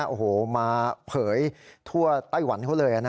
โอ้โหมาเผยทั่วไต้หวันเขาเลยนะ